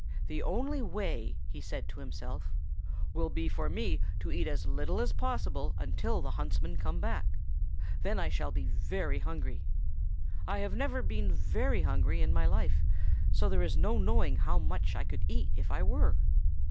"The only way," he said to himself, "will be for me to eat as little as possible until the huntsmen come back; then I shall be very hungry. I have never been very hungry in my life, so there is no knowing how much I could eat if I were."